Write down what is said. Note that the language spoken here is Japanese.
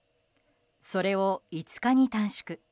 それを５日に短縮。